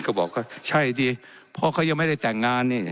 บอกว่าใช่ดิเพราะเขายังไม่ได้แต่งงานนี่